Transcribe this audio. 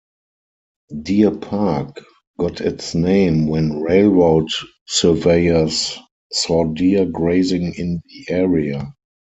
Deer Park got its name when railroad surveyors saw deer grazing in the area.